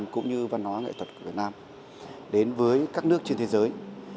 cũng như văn hóa nghệ thuật của việt nam đến với các nước trên thế giới